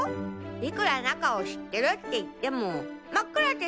いくら中を知ってるっていっても真っ暗テ